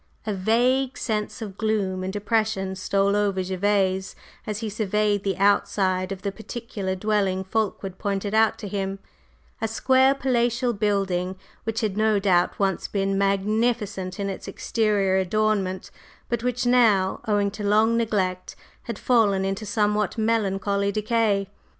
A vague sense of gloom and oppression stole over Gervase as he surveyed the outside of the particular dwelling Fulkeward pointed out to him a square, palatial building, which had no doubt once been magnificent in its exterior adornment, but which now, owing to long neglect, had fallen into somewhat melancholy decay.